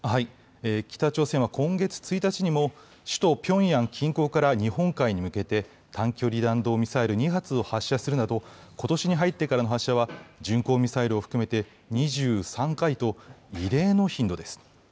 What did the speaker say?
北朝鮮は今月１日にも、首都ピョンヤン近郊から日本海に向けて、短距離弾道ミサイル２発を発射するなど、ことしに入ってからの発射は巡航ミサイルを含めて２３回と、異例の頻度です。